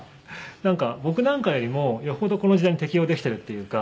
なんか僕なんかよりも余程この時代に適応できてるっていうか。